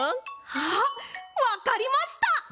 あっわかりました！